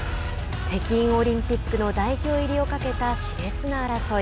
北京オリンピックの代表入りをかけたしれつな争い。